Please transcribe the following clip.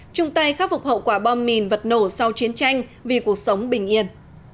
chung tay khắc phục hậu quả bom mìn vật nổ sau chiến tranh vì cuộc sống bình yên